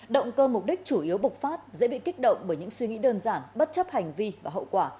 động cơ mục đích chủ yếu bục phát dễ bị kích động bởi những suy nghĩ đơn giản bất chấp hành vi và hậu quả